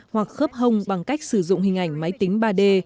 hoặc khớp hông bằng cách sử dụng hình ảnh máy tính ba d